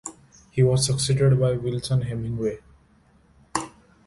He was succeeded by Wilson Hemingway.